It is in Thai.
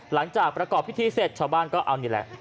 หลังจากประกอบพิธีเสร็จชาวบ้านก็เอานี่แหละ